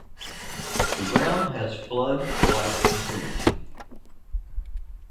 The ground has flood light facility.